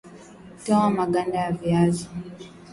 Toa maganda ya viazi